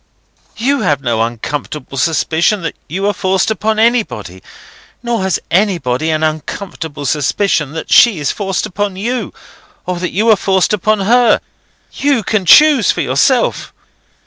You have no uncomfortable suspicion that you are forced upon anybody, nor has anybody an uncomfortable suspicion that she is forced upon you, or that you are forced upon her. You can choose for yourself.